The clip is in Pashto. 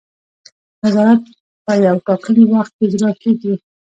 نظارت په یو ټاکلي وخت کې اجرا کیږي.